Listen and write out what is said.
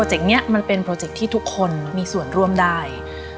เจกต์นี้มันเป็นโปรเจคที่ทุกคนมีส่วนร่วมได้